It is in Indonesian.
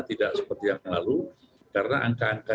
tidak seperti yang lalu karena angka angka